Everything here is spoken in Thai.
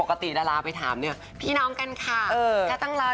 ถูกปกติละลาไปถามด้วยพี่น้องกันค่ะ